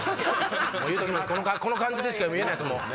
この感じでしか言えないです。